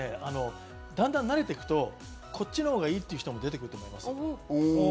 だんだん慣れていくと、こっちのほうがいいという人も出てくると思う。